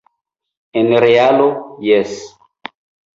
En realo, jes.